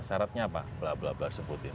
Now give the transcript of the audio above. syaratnya apa blah blah sebutin